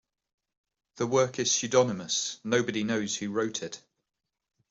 The work is pseudonymous: nobody knows who wrote it.